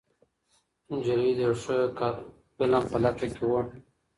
نجلۍ د یو ښه فلم په لټه کې وه.